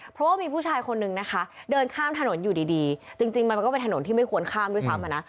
เพราะว่ามีผู้ชายคนนึงนะคะเดินข้ามถนนอยู่ดีจริงมันก็เป็นถนนที่ไม่ควรข้ามด้วยซ้ำอ่ะนะ